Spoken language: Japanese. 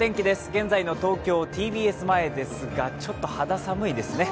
現在の東京・ＴＢＳ前ですがちょっと肌寒いですね。